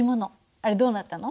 あれどうなったの？